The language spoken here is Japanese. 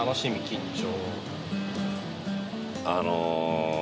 緊張？